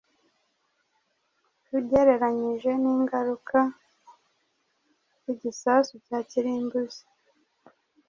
ugereranyije n’ingaruka z’igisasu cya kirimbuzi